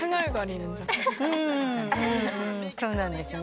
そうなんですね。